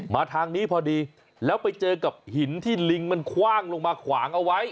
ทางนี้พอดีแล้วไปเจอกับหินที่ลิงมันคว่างลงมาขวางเอาไว้